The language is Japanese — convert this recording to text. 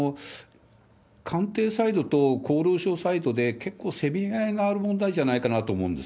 これは官邸サイドと厚労省サイドで結構せめぎ合いがある問題じゃないかと思うんです。